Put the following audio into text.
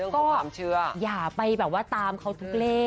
เป็นเรื่องของความเชื่อ